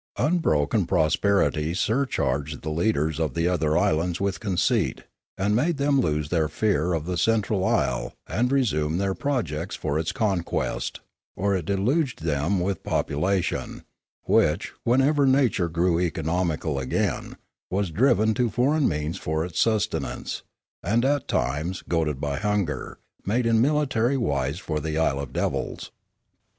Unbroken prosperity surcharged the leaders of the other islands with conceit, and made them lose their fear of the central isle and resume their projects for its conquest; or it deluged them with popu lation, which, whenever nature grew economical again, was driven to foreign means for its sustenance, and, at •times, goaded by hunger, made in military wise for the isle of devils.